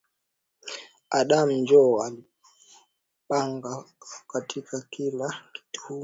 Adamu njo alipangaka kila kitu kiko mu dunia jina